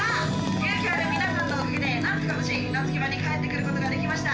勇気ある皆さんのおかげで何とか無事船着き場に帰って来ることができました。